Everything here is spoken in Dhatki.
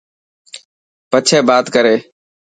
پڇي بات ڪري.